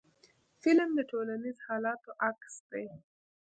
فلم د ټولنیزو حالاتو عکس دی